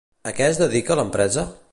A què es dedica l'empresa?